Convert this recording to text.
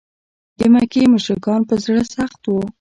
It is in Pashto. د مکې مشرکان په زړه سخت و.